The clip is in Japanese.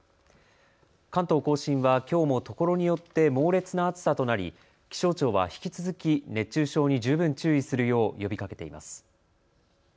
関東甲信はきょうもところによって猛烈な暑さとなり気象庁は引き続き、熱中症に十分注意するよう呼びかけています。